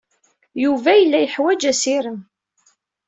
Yuba yella yeḥwaj assirem.